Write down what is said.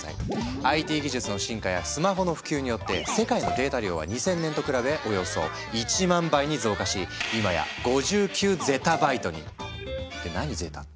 ＩＴ技術の進化やスマホの普及によって世界のデータ量は２０００年と比べおよそ１万倍に増加し今や５９ゼタバイトに！って